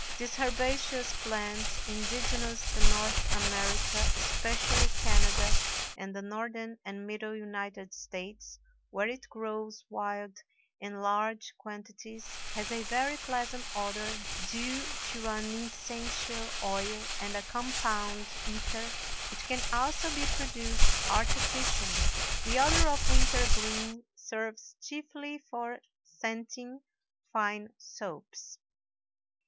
This herbaceous plant, indigenous to North America, especially Canada and the Northern and Middle United States, where it grows wild in large quantities, has a very pleasant odor due to an essential oil and a compound ether which can also be produced artificially. The odor of wintergreen serves chiefly for scenting fine soaps.